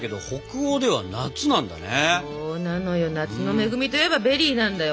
そうなのよ夏の恵みといえばベリーなんだよ